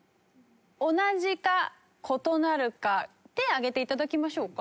同じか異なるか手上げて頂きましょうか。